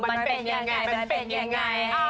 มันเป็นยังไง